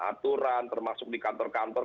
aturan termasuk di kantor kantor